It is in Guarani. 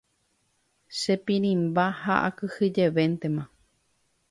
Chepirĩmba ha akyhyjevéntema.